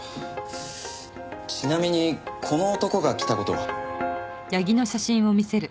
ちなみにこの男が来た事は？あっ。